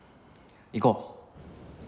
行こう。